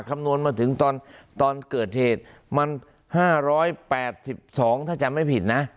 คำนวณมาถึงตอนเกิดเหตุมัน๕๘๒ถ้าจำไม่ผิดนะ